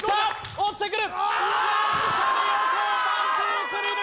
落ちてくる！